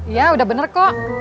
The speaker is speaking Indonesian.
iya sudah benar kok